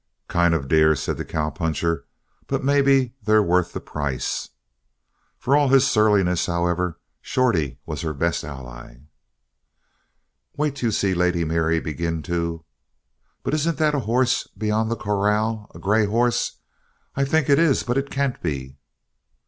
"Kind of dear," said the cowpuncher, "but maybe they're worth the price." For all his surliness, however, Shorty was her best ally. "Wait till you see Lady Mary begin to but isn't that a horse beyond the corral? A grey horse? I think it is, but it can't be."